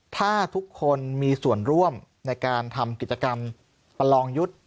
ถ้าทุกคนมีส่วนร่วมในการทำกิจกรรมประลองยุทธ์